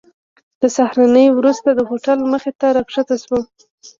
د سهارنۍ وروسته د هوټل مخې ته راښکته شوم.